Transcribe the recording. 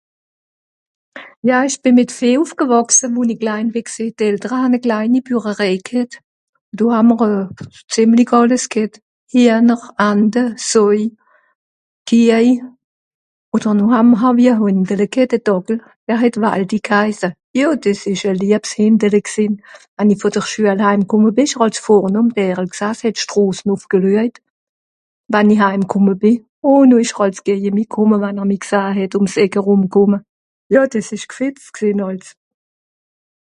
La personne parle du fait qu'il y avait des animaux, vaches, cochons etc un un petit chien qui l'accompagnait et que cela lui faisait plaisir